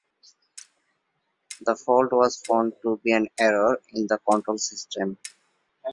The fault was found to be an error in the control system.